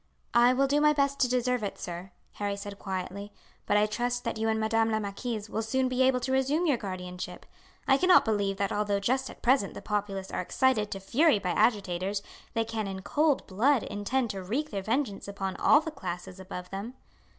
"I will do my best to deserve it, sir," Harry said quietly; "but I trust that you and madame la marquise will soon be able to resume your guardianship. I cannot believe that although just at present the populace are excited to fury by agitators, they can in cold blood intend to wreak their vengeance upon all the classes above them."